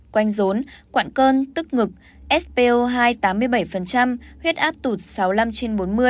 quanh rốn quạn cơn tức ngực spo hai tám mươi bảy huyết áp tụt sáu mươi năm trên bốn mươi